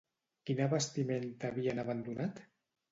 Quina vestimenta havien abandonat?